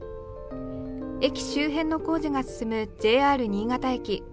駅周辺の工事が進むＪＲ新潟駅。